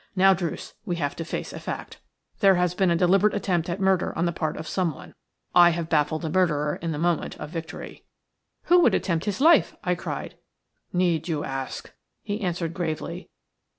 Now, Druce, we have to face a fact. There has been a deliberate attempt at murder on the part of someone. I have baffled the murderer in the moment of victory." "Who would attempt his life?" I cried. "Need you ask?" he answered, gravely.